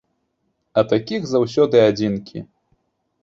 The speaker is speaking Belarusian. А такіх заўсёды адзінкі.